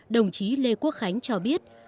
đồng chí lê quốc khánh cho biết